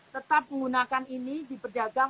tetap menggunakan ini di pedagang